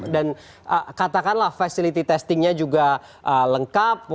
dan katakanlah fasiliti testingnya juga lengkap